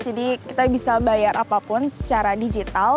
jadi kita bisa bayar apapun secara digital